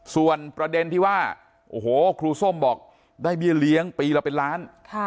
ส่วนประเด็นที่ว่าโอ้โหครูส้มบอกได้เบี้ยเลี้ยงปีละเป็นล้าน